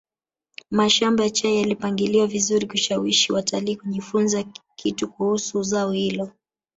mashamba ya chai yalipangiliwa vizuri kushawishi watalii kujifunza kitu kuhusu zao hilo